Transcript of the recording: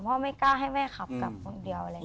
เพราะว่าไม่กล้าให้แม่ขับกับคนเดียว